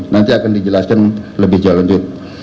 nanti akan dijelaskan lebih jalan lanjut